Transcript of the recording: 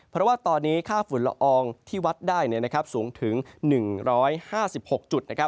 เพราะว่าตอนนี้ค่าฝุ่นละอองที่วัดได้สูงถึง๑๕๖จุด